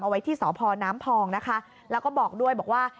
ไว้ที่สพน้ำพองนะคะแล้วก็บอกด้วยบอกว่า